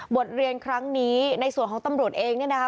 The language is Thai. บทเรียนครั้งนี้ในส่วนของตำรวจเองเนี่ยนะคะ